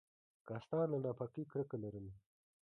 کاستان له ناپاکۍ کرکه لرله.